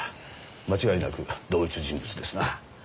間違いなく同一人物ですな。